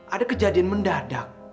ada kejadian mendadak